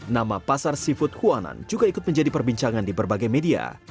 nama pasar seafood huanan juga ikut menjadi perbincangan di berbagai media